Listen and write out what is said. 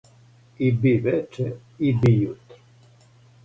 И би вече и би јутро